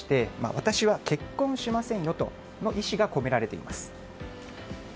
私は結婚しませんよという意志が込められています。